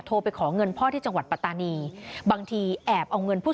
ไปขอเงินพ่อที่จังหวัดปัตตานีบางทีแอบเอาเงินผู้